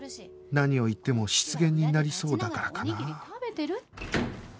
何を言っても失言になりそうだからかなあ